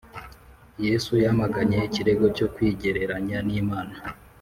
Yesu yamaganye ikirego cyo kwigereranya n’Imana